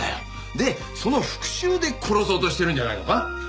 でその復讐で殺そうとしてるんじゃないのか？